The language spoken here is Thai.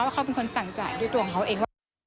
ว่าเขาเป็นคนสั่งจ่ายด้วยต่วงเขาเอง